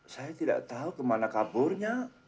saya tidak tahu kemana kaburnya